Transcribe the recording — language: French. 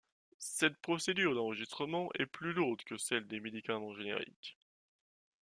Cette procédure d'enregistrement est plus lourde que celle des médicaments génériques.